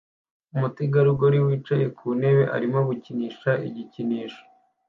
Umutegarugori wicaye ku ntebe arimo gukinisha igikinisho